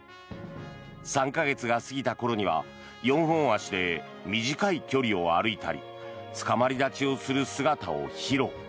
３か月が過ぎた頃には４本足で短い距離を歩いたりつかまり立ちをする姿を披露。